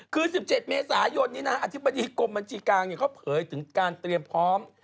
คือ๑๗เมษายนนี้นะอธิบดีกรมบัญชีกลางเขาเผยถึงการเตรียมพร้อม